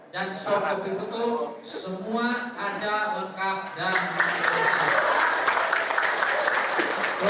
dan soal keputusan semua ada lengkap dan menentukan